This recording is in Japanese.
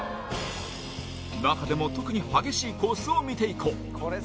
中でも特に激しいコースを見ていこう。